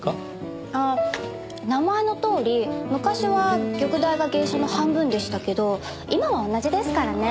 ああ名前のとおり昔は玉代が芸者の半分でしたけど今は同じですからね。